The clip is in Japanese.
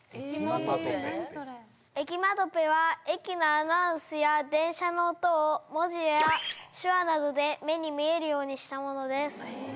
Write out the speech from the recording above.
何それエキマトペは駅のアナウンスや電車の音を文字や手話などで目に見えるようにしたものです